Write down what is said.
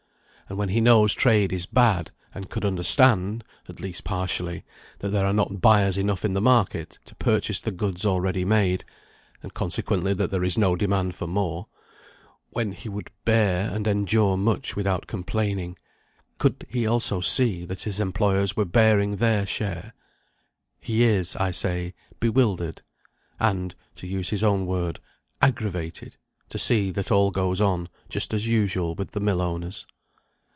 And when he knows trade is bad, and could understand (at least partially) that there are not buyers enough in the market to purchase the goods already made, and consequently that there is no demand for more; when he would bear and endure much without complaining, could he also see that his employers were bearing their share; he is, I say, bewildered and (to use his own word) "aggravated" to see that all goes on just as usual with the mill owners.